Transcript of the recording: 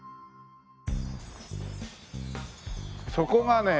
そこがね